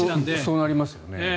そうなりますよね。